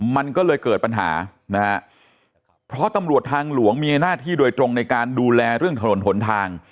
มันก็เลยเกิดปัญหานะฮะเพราะตำรวจทางหลวงมีหน้าที่โดยตรงในการดูแลเรื่องถนนหนทาง